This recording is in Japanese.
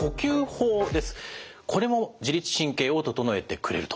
これも自律神経を整えてくれると。